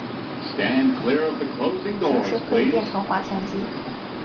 平时可以变成滑翔机。